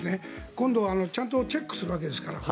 今度はちゃんとチェックするわけですから。